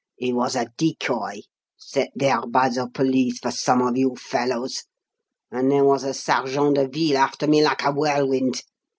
He was a decoy, set there by the police for some of you fellows, and there was a sergeant de ville after me like a whirlwind.